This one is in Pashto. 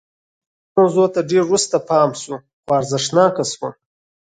دې موضوع ته ډېر وروسته پام شو خو ارزښتناکه شوه